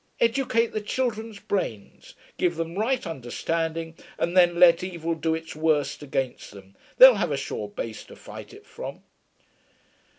Educate the children's brains, give them right understanding, and then let evil do its worst against them, they'll have a sure base to fight it from.'